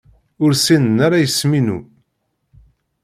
Ur ssinen ara isem-inu.